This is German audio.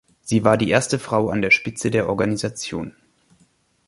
Sie war die erste Frau an der Spitze der Organisation.